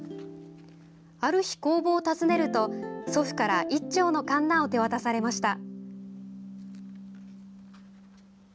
ある日、工房を訪ねると祖父から一丁のかんなを手渡されました。